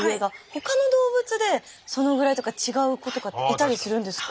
ほかの動物でそのぐらいとか違う子とかいたりするんですか？